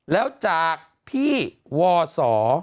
แล้วจากพี่ว่าสอ